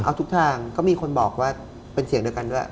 เอาทุกทางก็มีคนบอกว่าเป็นเสียงเดียวกันด้วย